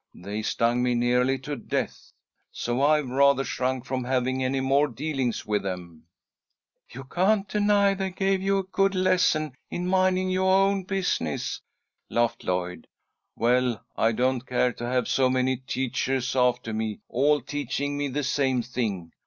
They stung me nearly to death. So I've rather shrunk from having any more dealings with them." "You can't deny that they gave you a good lesson in minding your own business," laughed Lloyd. "Well, I don't care to have so many teachers after me, all teaching me the same thing.